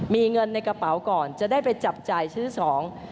มีเงินในกระเป๋าก่อนจะได้ไปจับจ่ายซื้อสอง